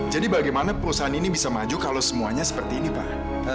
jadi bagaimana perusahaan ini bisa maju kalau semuanya seperti ini pak